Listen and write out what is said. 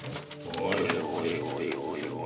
おいおいおい。